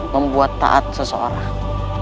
membuat taat seseorang